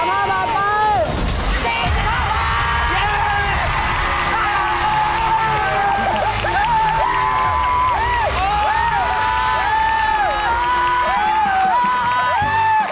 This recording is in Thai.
วุนเซ็นฮาร์